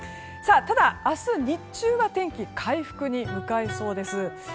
ただ、明日の日中は天気回復に向かいそうです。